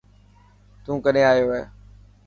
تون ڪڏين آيو هي.